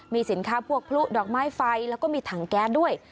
มีสินค้าพวกพลุดอกไม้ไฟแล้วก็มีถังแก๊สด้วย